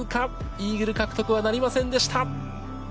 イーグル獲得はなりませんでした。